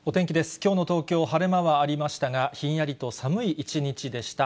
きょうの東京、晴れ間はありましたが、ひんやりと寒い一日でした。